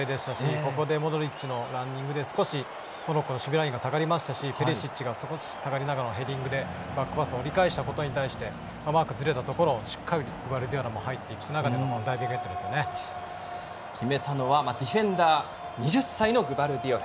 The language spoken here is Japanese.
ここでモドリッチのランニングで少しモロッコの守備ラインが下がりましたしペリシッチが少し下がりながらのヘディングでコースを折り返したことに対してマークがずれたところをしっかりグバルディオルが入っていく決めたのはディフェンダー２０歳のグバルディオル。